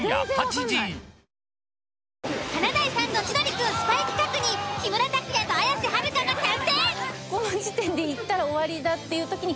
「華大さんと千鳥くん」スパイ企画に木村拓哉と綾瀬はるかが参戦。